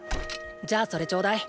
じゃあそれちょうだい。